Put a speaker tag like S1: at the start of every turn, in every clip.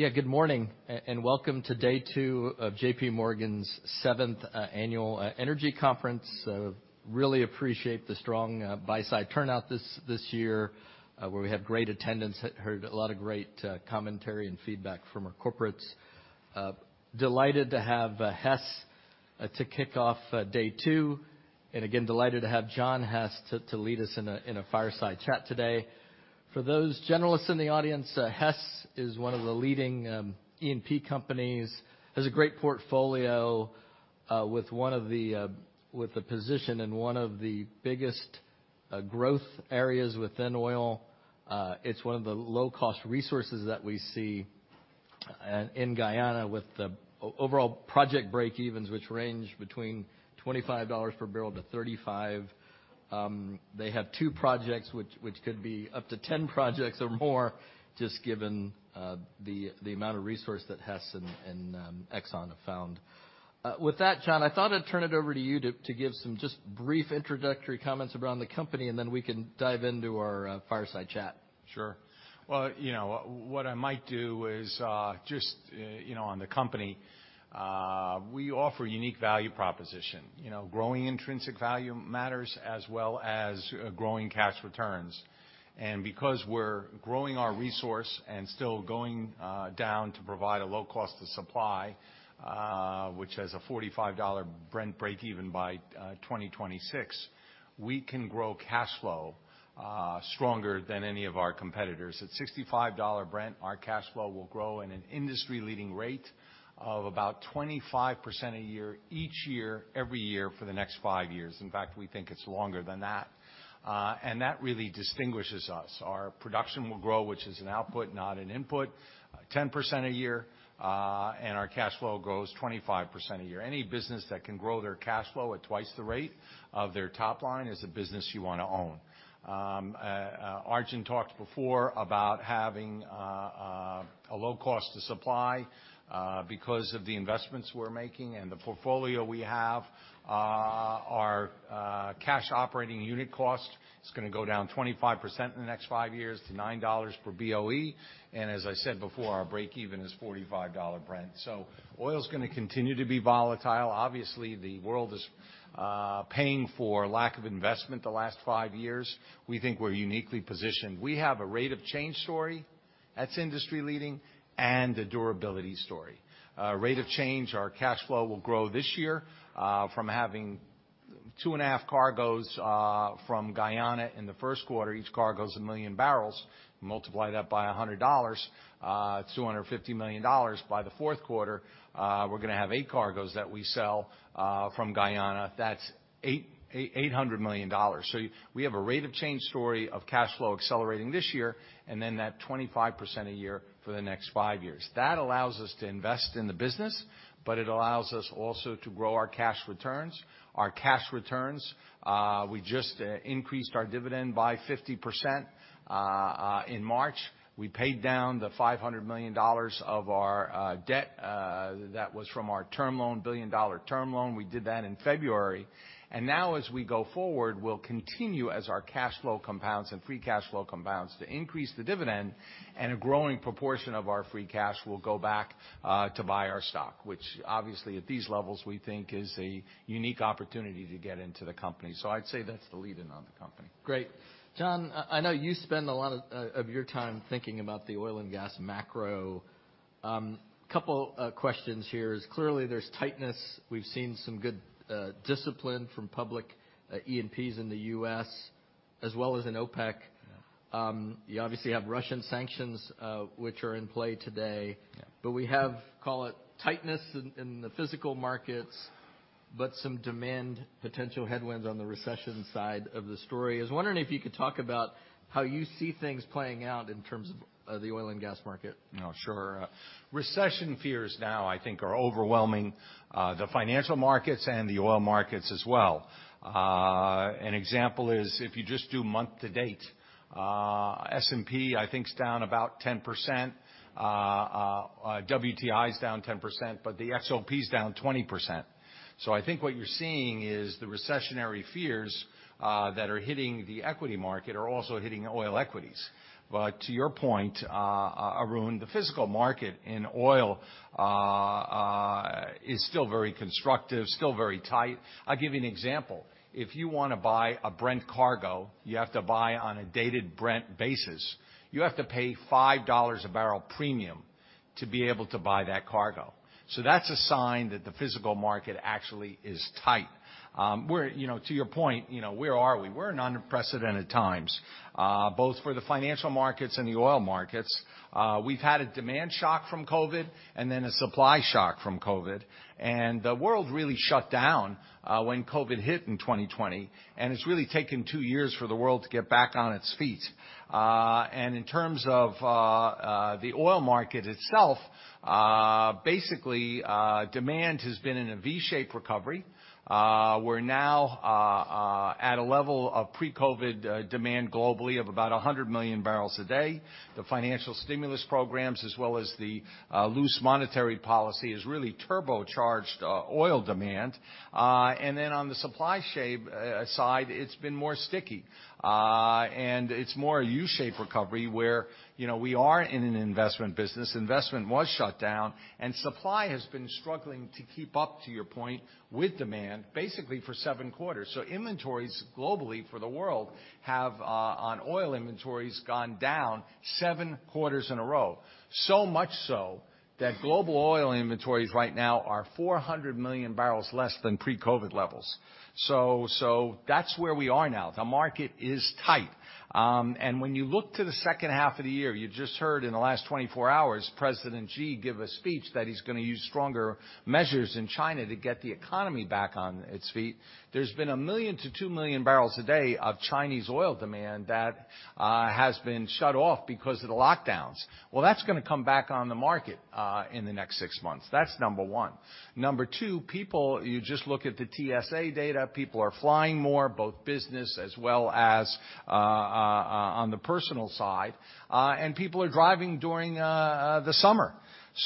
S1: Yeah, good morning and welcome to day two of J.P. Morgan's 7th annual energy conference. Really appreciate the strong buy-side turnout this year, where we had great attendance. Heard a lot of great commentary and feedback from our corporates. Delighted to have Hess to kick off day two, and again, delighted to have John B. Hess to lead us in a fireside chat today. For those generalists in the audience, Hess is one of the leading E&P companies, has a great portfolio with a position in one of the biggest growth areas within oil. It's one of the low-cost resources that we see in Guyana with the overall project breakevens, which range between $25 per barrel to $35. They have two projects which could be up to 10 projects or more just given the amount of resource that Hess and Exxon have found. With that, John, I thought I'd turn it over to you to give some just brief introductory comments around the company, and then we can dive into our fireside chat.
S2: Sure. Well, you know, what I might do is, just, you know, on the company, we offer a unique value proposition. You know, growing intrinsic value matters as well as, growing cash returns. Because we're growing our resource and still going, down to provide a low cost of supply, which has a $45 Brent breakeven by 2026, we can grow cash flow, stronger than any of our competitors. At $65 Brent, our cash flow will grow at an industry-leading rate of about 25% a year each year, every year for the next 5 years. In fact, we think it's longer than that. That really distinguishes us. Our production will grow, which is an output, not an input, 10% a year, and our cash flow grows 25% a year. Any business that can grow their cash flow at twice the rate of their top line is a business you wanna own. Arun talked before about having a low cost to supply because of the investments we're making and the portfolio we have. Our cash operating unit cost is gonna go down 25% in the next 5 years to $9 per BOE, and as I said before, our breakeven is $45 Brent. Oil's gonna continue to be volatile. Obviously, the world is paying for lack of investment the last 5 years. We think we're uniquely positioned. We have a rate of change story that's industry-leading and a durability story. Rate of change, our cash flow will grow this year from having 2.5 cargoes from Guyana in the first quarter. Each cargo's 1 million barrels. Multiply that by $100, it's $250 million. By the fourth quarter, we're gonna have 8 cargoes that we sell from Guyana. That's $800 million. We have a rate of change story of cash flow accelerating this year and then that 25% a year for the next five years. That allows us to invest in the business, but it allows us also to grow our cash returns. Our cash returns, we just increased our dividend by 50% in March. We paid down the $500 million of our debt that was from our term loan, billion-dollar term loan. We did that in February. Now as we go forward, we'll continue as our cash flow compounds and free cash flow compounds to increase the dividend and a growing proportion of our free cash will go back to buy our stock, which obviously at these levels we think is a unique opportunity to get into the company. I'd say that's the lead in on the company.
S1: Great. John, I know you spend a lot of your time thinking about the oil and gas macro. Couple questions here is clearly there's tightness. We've seen some good discipline from public E&Ps in the U.S. as well as in OPEC.
S2: Yeah.
S1: You obviously have Russian sanctions, which are in play today.
S2: Yeah.
S1: We have, call it, tightness in the physical markets, but some demand potential headwinds on the recession side of the story. I was wondering if you could talk about how you see things playing out in terms of the oil and gas market.
S2: Oh, sure. Recession fears now I think are overwhelming the financial markets and the oil markets as well. An example is if you just do month to date, S&P I think is down about 10%, WTI's down 10%, but the XOP's down 20%. I think what you're seeing is the recessionary fears that are hitting the equity market are also hitting oil equities. To your point, Arun, the physical market in oil is still very constructive, still very tight. I'll give you an example. If you wanna buy a Brent cargo, you have to buy on a dated Brent basis. You have to pay $5 a barrel premium to be able to buy that cargo. That's a sign that the physical market actually is tight. You know, to your point, you know, where are we? We're in unprecedented times, both for the financial markets and the oil markets. We've had a demand shock from COVID and then a supply shock from COVID, and the world really shut down, when COVID hit in 2020, and it's really taken two years for the world to get back on its feet. And in terms of, the oil market itself, basically, demand has been in a V-shaped recovery. We're now at a level of pre-COVID demand globally of about 100 million barrels a day, the financial stimulus programs as well as the loose monetary policy has really turbocharged oil demand. And then on the supply side, it's been more sticky. It's more a U-shape recovery where, you know, we are in an investment business. Investment was shut down, and supply has been struggling to keep up, to your point, with demand basically for 7 quarters. Inventories globally for the world have on oil inventories gone down 7 quarters in a row. So much so that global oil inventories right now are 400 million barrels less than pre-COVID levels. That's where we are now. The market is tight. When you look to the second half of the year, you just heard in the last 24 hours, President Xi give a speech that he's gonna use stronger measures in China to get the economy back on its feet. There's been 1 million to 2 million barrels a day of Chinese oil demand that has been shut off because of the lockdowns. Well, that's gonna come back on the market in the next 6 months. That's number one. Number two, you just look at the TSA data. People are flying more, both business as well as on the personal side. People are driving during the summer.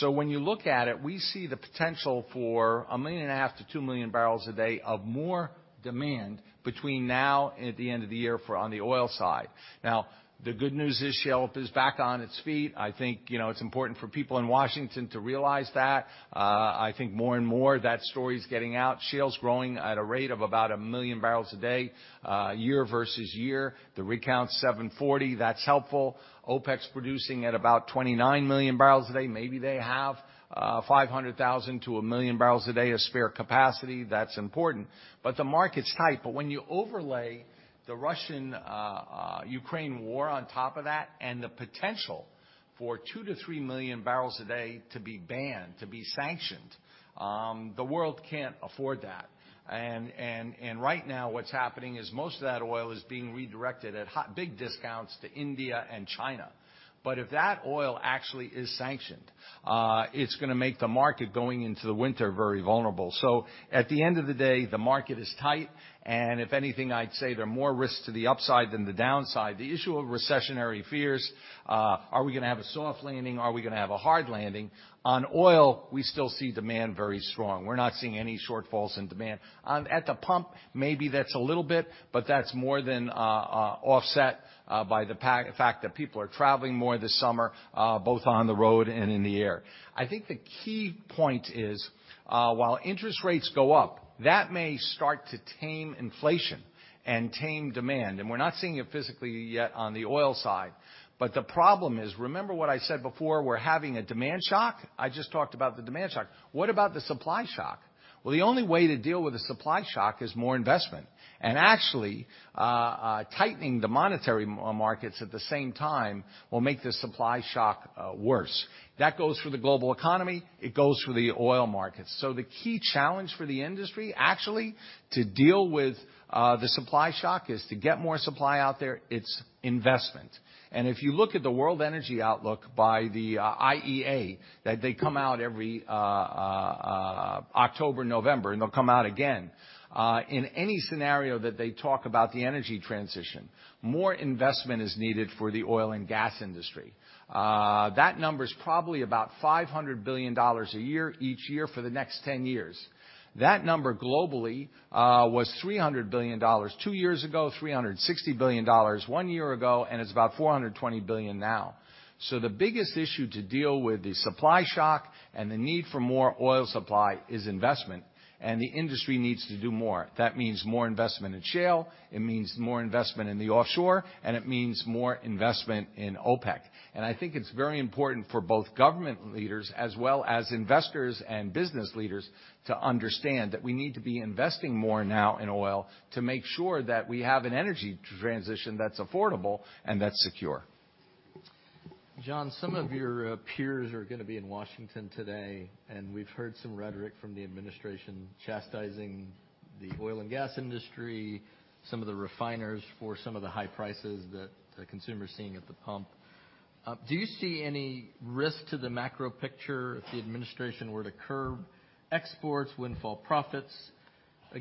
S2: When you look at it, we see the potential for 1.5 million to 2 million barrels a day of more demand between now and at the end of the year for on the oil side. Now, the good news is shale is back on its feet. I think, you know, it's important for people in Washington to realize that. I think more and more that story's getting out. Shale's growing at a rate of about 1 million barrels a day year-over-year. The rig count's 740. That's helpful. OPEC's producing at about 29 million barrels a day. Maybe they have 500,000 to 1 million barrels a day of spare capacity. That's important. The market's tight. When you overlay the Russia-Ukraine war on top of that and the potential for 2 to 3 million barrels a day to be banned, to be sanctioned, the world can't afford that. Right now, what's happening is most of that oil is being redirected at big discounts to India and China. If that oil actually is sanctioned, it's gonna make the market, going into the winter, very vulnerable. At the end of the day, the market is tight, and if anything, I'd say there are more risks to the upside than the downside. The issue of recessionary fears, are we gonna have a soft landing? Are we gonna have a hard landing? On oil, we still see demand very strong. We're not seeing any shortfalls in demand. At the pump, maybe that's a little bit, but that's more than offset by the fact that people are traveling more this summer, both on the road and in the air. I think the key point is, while interest rates go up, that may start to tame inflation and tame demand, and we're not seeing it physically yet on the oil side. The problem is, remember what I said before, we're having a demand shock? I just talked about the demand shock. What about the supply shock? Well, the only way to deal with the supply shock is more investment. Actually, tightening the monetary markets at the same time will make the supply shock worse. That goes for the global economy. It goes for the oil markets. The key challenge for the industry, actually, to deal with the supply shock is to get more supply out there. It's investment. If you look at the World Energy Outlook by the IEA, that they come out every October, November, and they'll come out again, in any scenario that they talk about the energy transition, more investment is needed for the oil and gas industry. That number is probably about $500 billion a year, each year for the next 10 years. That number globally was $300 billion two years ago, $360 billion one year ago, and it's about $420 billion now. The biggest issue to deal with the supply shock and the need for more oil supply is investment, and the industry needs to do more. That means more investment in shale, it means more investment in the offshore, and it means more investment in OPEC. I think it's very important for both government leaders as well as investors and business leaders to understand that we need to be investing more now in oil to make sure that we have an energy transition that's affordable and that's secure.
S1: John, some of your peers are gonna be in Washington today, and we've heard some rhetoric from the administration chastising the oil and gas industry, some of the refiners for some of the high prices that the consumer is seeing at the pump. Do you see any risk to the macro picture if the administration were to curb exports, windfall profits?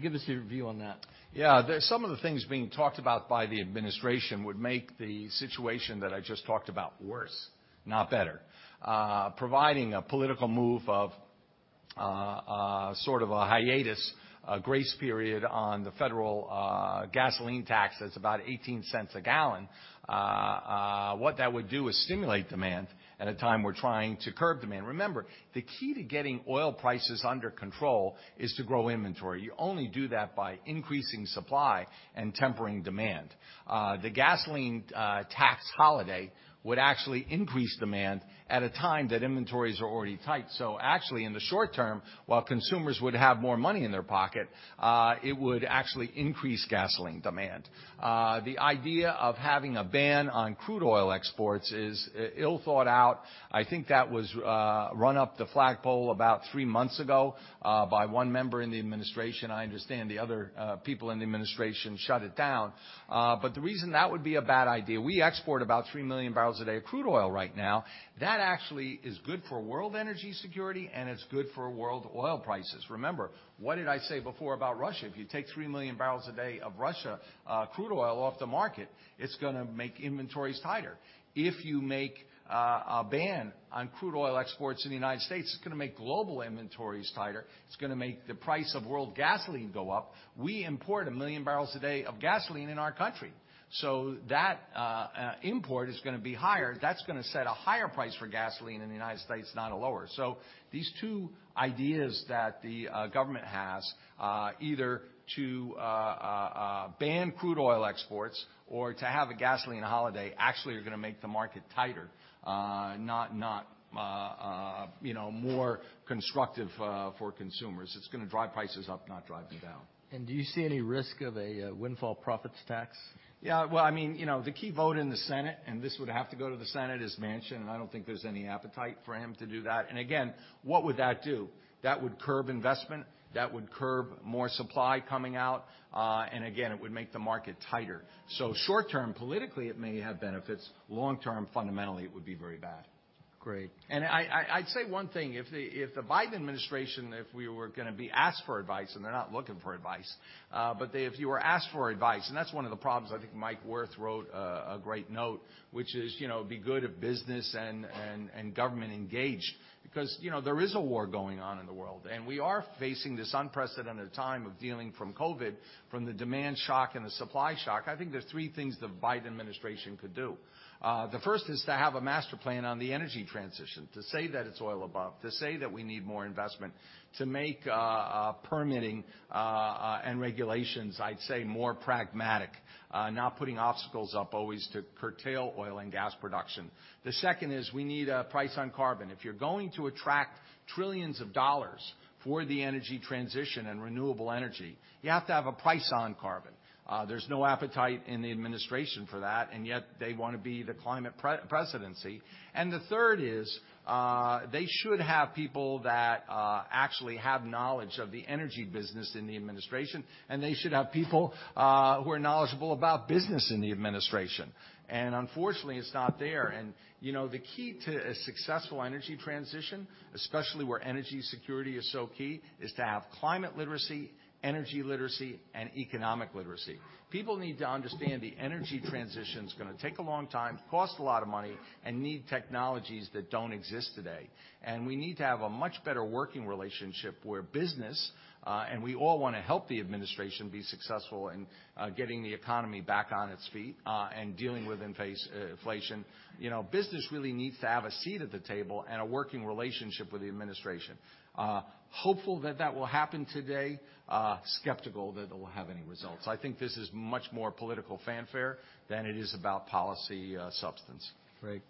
S1: Give us your view on that.
S2: Yeah. Some of the things being talked about by the administration would make the situation that I just talked about worse, not better. Providing a political move of sort of a hiatus, a grace period on the federal gasoline tax that's about $0.18 a gallon, what that would do is stimulate demand at a time we're trying to curb demand. Remember, the key to getting oil prices under control is to grow inventory. You only do that by increasing supply and tempering demand. The gasoline tax holiday would actually increase demand at a time that inventories are already tight. Actually, in the short term, while consumers would have more money in their pocket, it would actually increase gasoline demand. The idea of having a ban on crude oil exports is ill thought out. I think that was run up the flagpole about three months ago by one member in the administration. I understand the other people in the administration shut it down. The reason that would be a bad idea, we export about 3 million barrels a day of crude oil right now. That actually is good for world energy security, and it's good for world oil prices. Remember, what did I say before about Russia? If you take 3 million barrels a day of Russia crude oil off the market, it's gonna make inventories tighter. If you make a ban on crude oil exports in the United States, it's gonna make global inventories tighter. It's gonna make the price of world gasoline go up. We import 1 million barrels a day of gasoline in our country, so that import is gonna be higher. That's gonna set a higher price for gasoline in the United States, not a lower. These two ideas that the government has, either to ban crude oil exports or to have a gasoline holiday actually are gonna make the market tighter, not, you know, more constructive for consumers. It's gonna drive prices up, not drive them down.
S1: Do you see any risk of a windfall profits tax?
S2: Yeah. Well, I mean, you know, the key vote in the Senate, and this would have to go to the Senate, is Manchin, and I don't think there's any appetite for him to do that. Again, what would that do? That would curb investment. That would curb more supply coming out. Again, it would make the market tighter. Short-term, politically, it may have benefits. Long-term, fundamentally, it would be very bad.
S1: Great.
S2: I'd say one thing. If the Biden administration were gonna be asked for advice, and they're not looking for advice. If you were asked for advice, and that's one of the problems I think Mike Wirth wrote a great note, which is, you know, it'd be good if business and government engage because, you know, there is a war going on in the world, and we are facing this unprecedented time of dealing with COVID, from the demand shock and the supply shock. I think there's three things the Biden administration could do. The first is to have a master plan on the energy transition, to say that it's all about, to say that we need more investment, to make permitting and regulations, I'd say, more pragmatic, not putting obstacles up always to curtail oil and gas production. The second is we need a price on carbon. If you're going to attract trillions of dollars for the energy transition and renewable energy, you have to have a price on carbon. There's no appetite in the administration for that, and yet they wanna be the climate presidency. The third is, they should have people that actually have knowledge of the energy business in the administration, and they should have people who are knowledgeable about business in the administration. Unfortunately, it's not there. You know, the key to a successful energy transition, especially where energy security is so key, is to have climate literacy, energy literacy, and economic literacy. People need to understand the energy transition's gonna take a long time, cost a lot of money, and need technologies that don't exist today. We need to have a much better working relationship where business and we all wanna help the administration be successful in getting the economy back on its feet and dealing with inflation. You know, business really needs to have a seat at the table and a working relationship with the administration. Hopeful that that will happen today, skeptical that it will have any results. I think this is much more political fanfare than it is about policy substance.
S1: Great.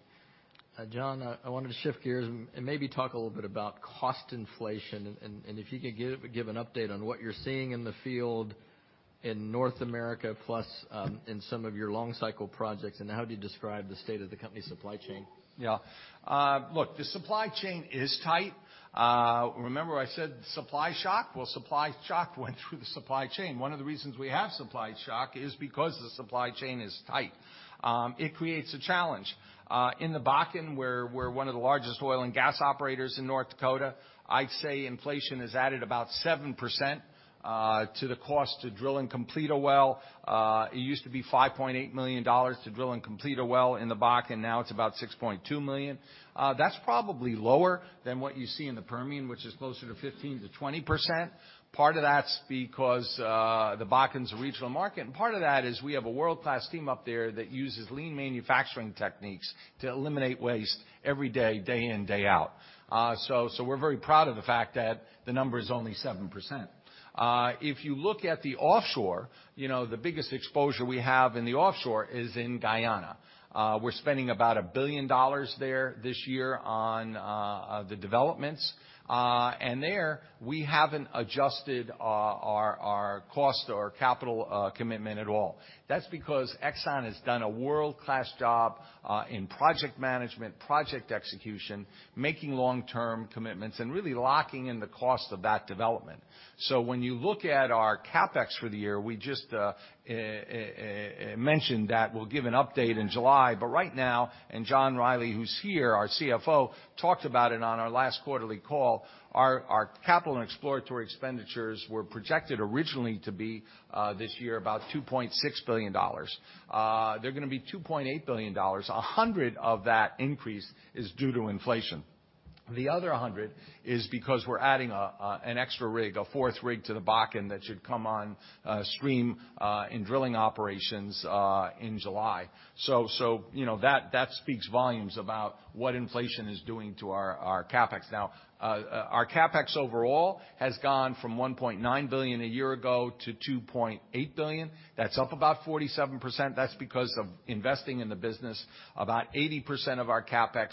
S1: John, I wanted to shift gears and maybe talk a little bit about cost inflation and if you could give an update on what you're seeing in the field in North America plus in some of your long cycle projects, and how do you describe the state of the company's supply chain?
S2: Yeah. Look, the supply chain is tight. Remember I said supply shock? Well, supply shock went through the supply chain. One of the reasons we have supply shock is because the supply chain is tight. It creates a challenge. In the Bakken where we're one of the largest oil and gas operators in North Dakota, I'd say inflation has added about 7% to the cost to drill and complete a well. It used to be $5.8 million to drill and complete a well in the Bakken. Now it's about $6.2 million. That's probably lower than what you see in the Permian, which is closer to 15% to 20%. Part of that's because the Bakken's a regional market, and part of that is we have a world-class team up there that uses lean manufacturing techniques to eliminate waste every day in, day out. We're very proud of the fact that the number is only 7%. If you look at the offshore, you know, the biggest exposure we have in the offshore is in Guyana. We're spending about $1 billion there this year on the developments. There we haven't adjusted our cost or capital commitment at all. That's because Exxon has done a world-class job in project management, project execution, making long-term commitments, and really locking in the cost of that development. When you look at our CapEx for the year, we just mentioned that we'll give an update in July. Right now, John Rielly, who's here, our CFO, talked about it on our last quarterly call, our capital and exploratory expenditures were projected originally to be this year, about $2.6 billion. They're gonna be $2.8 billion. 100 of that increase is due to inflation. The other 100 is because we're adding an extra rig, a fourth rig to the Bakken that should come on stream in drilling operations in July. You know, that speaks volumes about what inflation is doing to our CapEx. Now, our CapEx overall has gone from $1.9 billion a year ago to $2.8 billion. That's up about 47%. That's because of investing in the business. About 80% of our CapEx.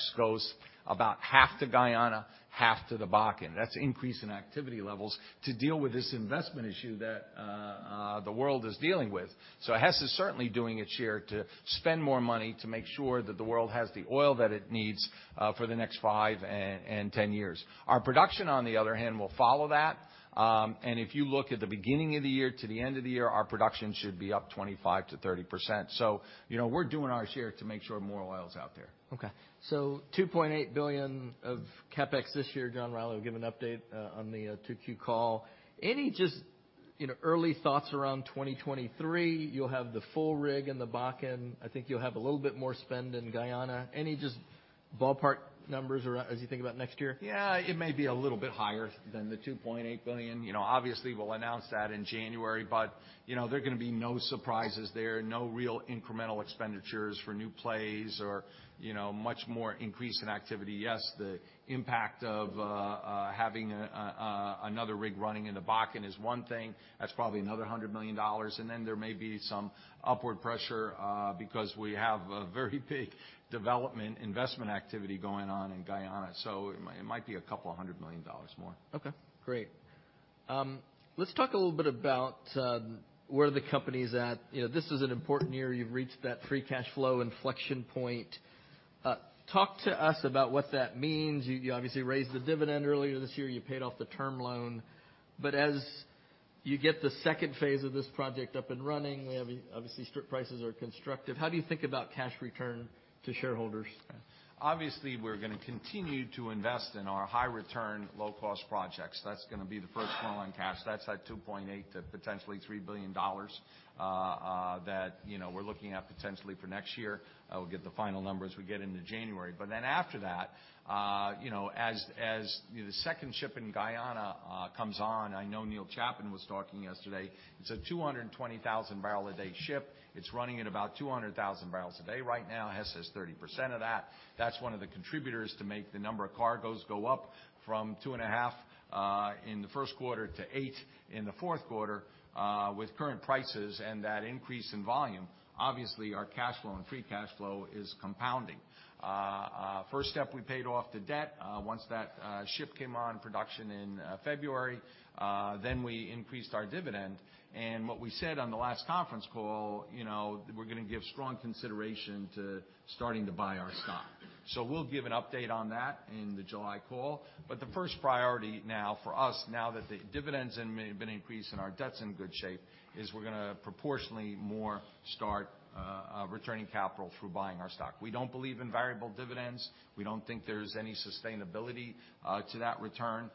S2: About half to Guyana, half to the Bakken. That's increase in activity levels to deal with this investment issue that the world is dealing with. Hess is certainly doing its share to spend more money to make sure that the world has the oil that it needs for the next five and 10 years. Our production, on the other hand, will follow that. If you look at the beginning of the year to the end of the year, our production should be up 25% to 30%. You know, we're doing our share to make sure more oil's out there.
S1: Okay. $2.8 billion of CapEx this year. John Rielly will give an update on the 2Q call. Any just, you know, early thoughts around 2023? You'll have the full rig in the Bakken. I think you'll have a little bit more spend in Guyana. Any just ballpark numbers around, as you think about next year?
S2: Yeah. It may be a little bit higher than the $2.8 billion. You know, obviously, we'll announce that in January, but, you know, there are gonna be no surprises there, no real incremental expenditures for new plays or, you know, much more increase in activity. Yes, the impact of having another rig running in the Bakken is one thing. That's probably another $100 million. There may be some upward pressure, because we have a very big development investment activity going on in Guyana. It might be a couple of hundred million dollars more.
S1: Okay. Great. Let's talk a little bit about where the company's at. You know, this is an important year. You've reached that free cash flow inflection point. Talk to us about what that means. You obviously raised the dividend earlier this year. You paid off the term loan. As you get the second phase of this project up and running, we have obviously strong prices are constructive. How do you think about cash return to shareholders?
S2: Obviously, we're gonna continue to invest in our high return, low cost projects. That's gonna be the first funnel on cash. That's the $2.8 billion to potentially $3 billion, you know, that we're looking at potentially for next year. We'll get the final numbers when we get into January. After that, you know, as you know, the second ship in Guyana comes on. I know Neil Chapman was talking yesterday. It's a 220,000 barrel a day ship. It's running at about 200,000 barrels a day right now. Hess has 30% of that. That's one of the contributors to make the number of cargoes go up from 2.5 in the first quarter to 8 in the fourth quarter. With current prices and that increase in volume, obviously, our cash flow and free cash flow is compounding. First step, we paid off the debt once that ship came on production in February. We increased our dividend. What we said on the last conference call, you know, we're gonna give strong consideration to starting to buy our stock. We'll give an update on that in the July call. The first priority now for us, now that the dividend's been increased and our debt's in good shape, is we're gonna proportionately more start returning capital through buying our stock. We don't believe in variable dividends. We don't think there's any sustainability to that return.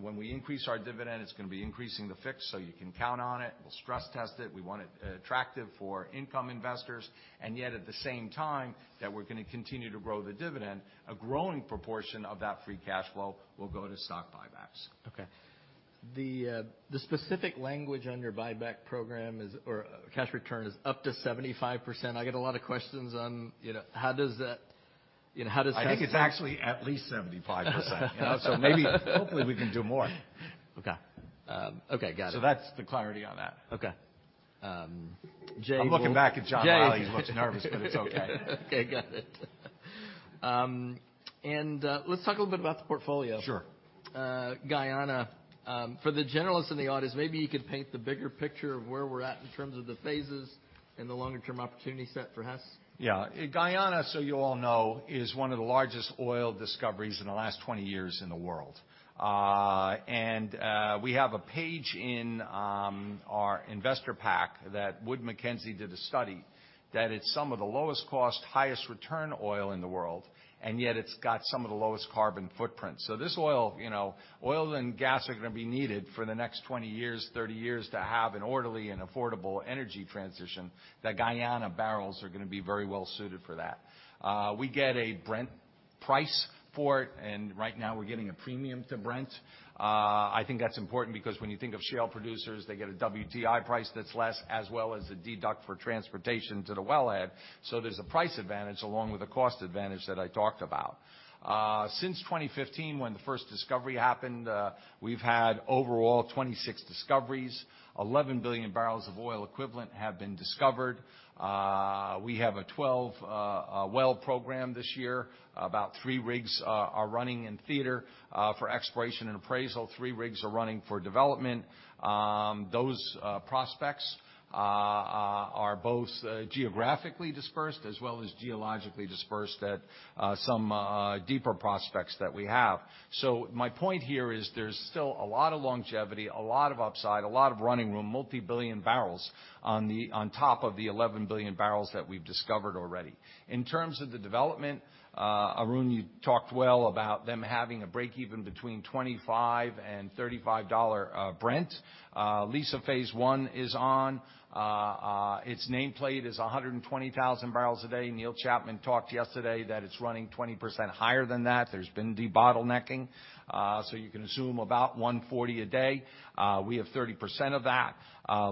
S2: When we increase our dividend, it's gonna be increasing the fixed, so you can count on it. We'll stress test it. We want it attractive for income investors. Yet at the same time that we're gonna continue to grow the dividend, a growing proportion of that free cash flow will go to stock buybacks.
S1: Okay. The specific language on your buyback program is, or cash return is up to 75%. I get a lot of questions on, you know, how does that, how does Hess.
S2: I think it's actually at least 75%. You know, maybe, hopefully, we can do more.
S1: Okay. Okay. Got it.
S2: That's the clarity on that.
S1: Okay. Jay will-
S2: I'm looking back at John Rielly.
S1: Jay
S2: He looks nervous, but it's okay.
S1: Okay. Got it. Let's talk a little bit about the portfolio.
S2: Sure.
S1: Guyana, for the generalists in the audience, maybe you could paint the bigger picture of where we're at in terms of the phases and the longer-term opportunity set for Hess.
S2: Yeah. Guyana, so you all know, is one of the largest oil discoveries in the last 20 years in the world. We have a page in our investor pack that Wood Mackenzie did a study that it's some of the lowest cost, highest return oil in the world, and yet it's got some of the lowest carbon footprint. This oil, you know, oil and gas are gonna be needed for the next 20 years, 30 years to have an orderly and affordable energy transition. The Guyana barrels are gonna be very well suited for that. We get a Brent price for it, and right now we're getting a premium to Brent. I think that's important because when you think of shale producers, they get a WTI price that's less as well as a deduct for transportation to the wellhead. There's a price advantage along with the cost advantage that I talked about. Since 2015, when the first discovery happened, we've had overall 26 discoveries. 11 billion barrels of oil equivalent have been discovered. We have a 12-well program this year. About three rigs are running in theater for exploration and appraisal. Three rigs are running for development. Those prospects are both geographically dispersed as well as geologically dispersed at some deeper prospects that we have. My point here is there's still a lot of longevity, a lot of upside, a lot of running room, multi-billion barrels on top of the 11 billion barrels that we've discovered already. In terms of the development, Arun, you talked well about them having a break even between $25 and $35 Brent. Liza Phase One is on. Its nameplate is 120,000 barrels a day. Neil Chapman talked yesterday that it's running 20% higher than that. There's been debottlenecking. So you can assume about 140 a day. We have 30% of that.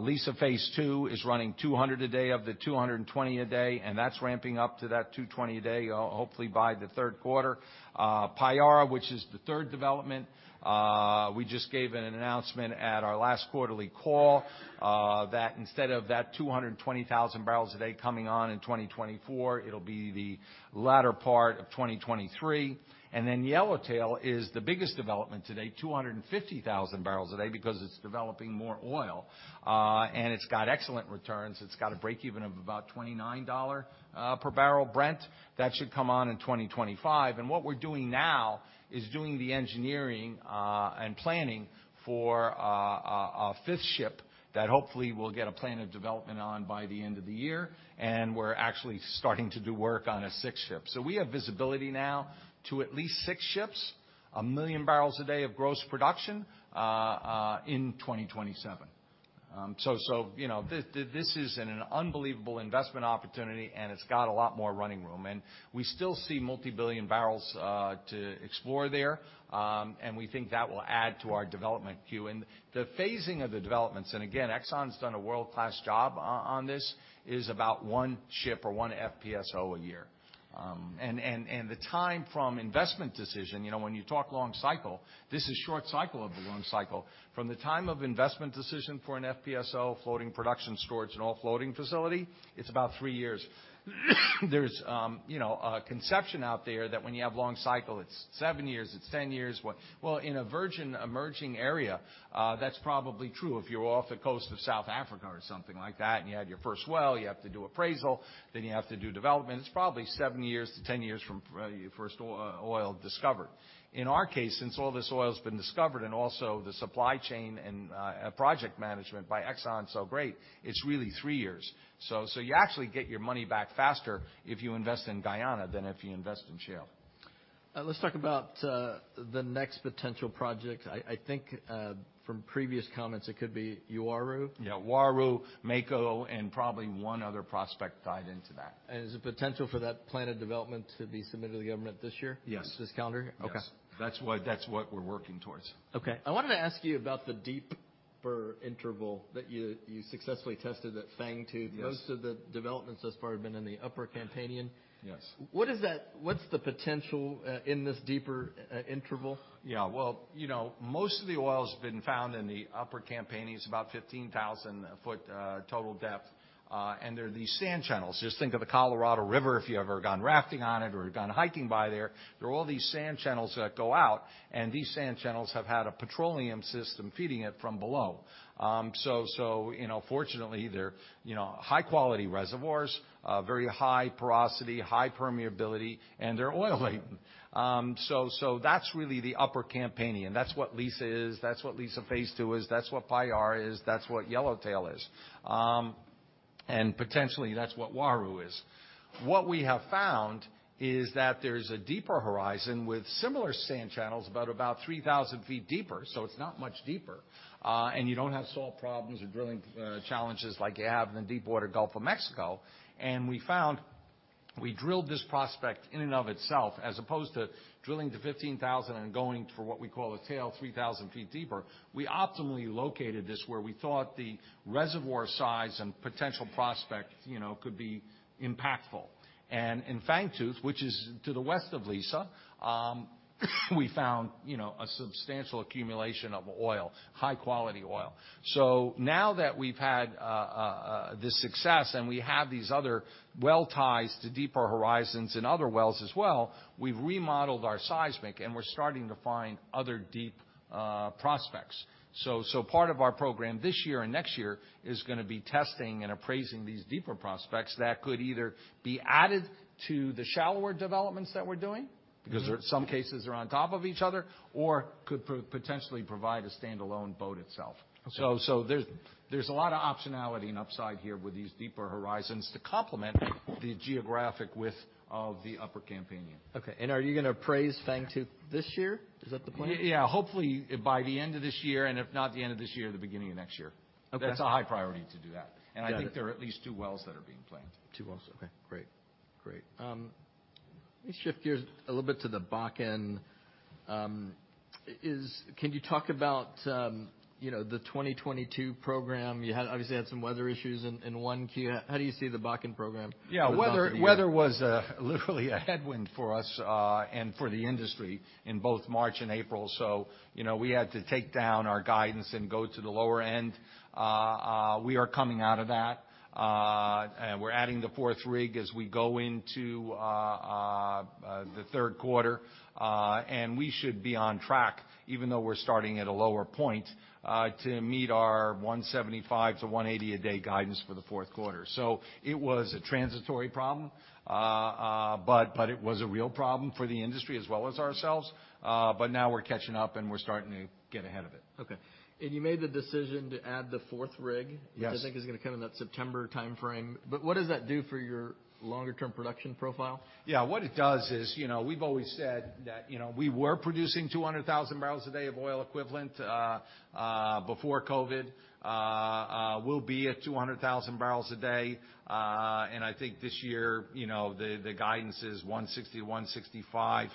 S2: Liza Phase Two is running 200 a day of the 220 a day, and that's ramping up to that 220 a day, hopefully by the third quarter. Payara, which is the third development, we just gave an announcement at our last quarterly call, that instead of that 220,000 barrels a day coming on in 2024, it'll be the latter part of 2023. Yellowtail is the biggest development today, 250,000 barrels a day because it's developing more oil, and it's got excellent returns. It's got a break even of about $29 per barrel Brent. That should come on in 2025. What we're doing now is doing the engineering and planning for a fifth ship that hopefully will get a plan of development on by the end of the year. We're actually starting to do work on a sixth ship. We have visibility now to at least 6 ships, 1 million barrels a day of gross production in 2027. You know, this is an unbelievable investment opportunity, and it's got a lot more running room. We still see multi-billion barrels to explore there, and we think that will add to our development queue. The phasing of the developments, and again, Exxon's done a world-class job on this, is about one ship or one FPSO a year. The time from investment decision, you know, when you talk long cycle, this is short cycle of the long cycle. From the time of investment decision for an FPSO, floating production storage and offloading facility, it's about 3 years. There's, you know, a conception out there that when you have long cycle, it's 7 years, it's 10 years. Well, in a virgin emerging area, that's probably true. If you're off the coast of South Africa or something like that, and you had your first well, you have to do appraisal, then you have to do development. It's probably 7-10 years from your first oil discovered. In our case, since all this oil's been discovered and also the supply chain and project management by Exxon is so great, it's really 3 years. You actually get your money back faster if you invest in Guyana than if you invest in shale.
S1: Let's talk about the next potential project. I think from previous comments it could be Uaru.
S2: Yeah, Uaru, Mako, and probably one other prospect tied into that.
S1: Is the potential for that plan of development to be submitted to the government this year?
S2: Yes.
S1: This calendar year?
S2: Yes.
S1: Okay.
S2: That's what we're working towards.
S1: Okay. I wanted to ask you about the deeper interval that you successfully tested at Fangtooth.
S2: Yes.
S1: Most of the developments thus far have been in the Upper Campanian.
S2: Yes.
S1: What's the potential in this deeper interval?
S2: Yeah. Well, you know, most of the oil's been found in the Upper Campanian. It's about 15,000-foot total depth, and there are these sand channels. Just think of the Colorado River, if you ever gone rafting on it or gone hiking by there. There are all these sand channels that go out, and these sand channels have had a petroleum system feeding it from below. So, you know, fortunately, they're, you know, high-quality reservoirs, very high porosity, high permeability, and they're oily. So that's really the Upper Campanian. That's what Liza is. That's what Liza Phase Two is. That's what Payara is. That's what Yellowtail is. Potentially, that's what Uaru is. What we have found is that there's a deeper horizon with similar sand channels about 3,000 feet deeper, so it's not much deeper. You don't have to solve problems or drilling challenges like you have in the deep water Gulf of Mexico. We found, we drilled this prospect in and of itself as opposed to drilling to 15,000 and going for what we call a tail 3,000 feet deeper. We optimally located this where we thought the reservoir size and potential prospect, you know, could be impactful. In Fangtooth, which is to the west of Liza, we found, you know, a substantial accumulation of oil. High-quality oil. Now that we've had this success and we have these other well ties to deeper horizons in other wells as well, we've remodeled our seismic, and we're starting to find other deep prospects. Part of our program this year and next year is gonna be testing and appraising these deeper prospects that could either be added to the shallower developments that we're doing, because in some cases are on top of each other, or could potentially provide a standalone development itself.
S1: Okay.
S2: There's a lot of optionality and upside here with these deeper horizons to complement the geographic width of the Upper Campanian.
S1: Okay. Are you gonna appraise Fangtooth this year? Is that the plan?
S2: Yeah. Hopefully by the end of this year. If not the end of this year, the beginning of next year.
S1: Okay.
S2: That's a high priority to do that.
S1: Got it.
S2: I think there are at least two wells that are being planned.
S1: Two wells. Okay, great. Great. Let me shift gears a little bit to the Bakken. Can you talk about, you know, the 2022 program? You obviously had some weather issues in Q1. How do you see the Bakken program looking for the year?
S2: Yeah. Weather was literally a headwind for us and for the industry in both March and April. You know, we had to take down our guidance and go to the lower end. We are coming out of that. We're adding the fourth rig as we go into the third quarter. We should be on track, even though we're starting at a lower point to meet our 175 to 180 a day guidance for the fourth quarter. It was a transitory problem. It was a real problem for the industry as well as ourselves. Now we're catching up, and we're starting to get ahead of it.
S1: Okay. You made the decision to add the fourth rig.
S2: Yes.
S1: which I think is gonna come in that September timeframe. What does that do for your longer term production profile?
S2: Yeah. What it does is, you know, we've always said that, you know, we were producing 200,000 barrels a day of oil equivalent before COVID. We'll be at 200,000 barrels a day. I think this year, you know, the guidance is 160-165,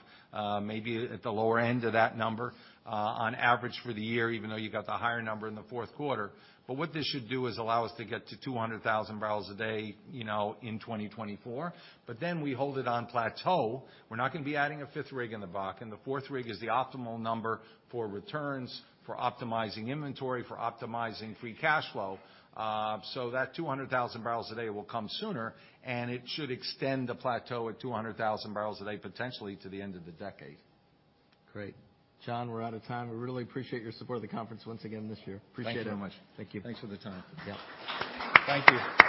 S2: maybe at the lower end of that number, on average for the year, even though you got the higher number in the fourth quarter. What this should do is allow us to get to 200,000 barrels a day, you know, in 2024. Then we hold it on plateau. We're not gonna be adding a fifth rig in the Bakken. The fourth rig is the optimal number for returns, for optimizing inventory, for optimizing free cash flow. That 200,000 barrels a day will come sooner, and it should extend the plateau at 200,000 barrels a day, potentially to the end of the decade.
S1: Great. John, we're out of time. We really appreciate your support of the conference once again this year. Appreciate it.
S2: Thank you so much. Thank you.
S1: Thanks for the time.
S2: Yeah. Thank you.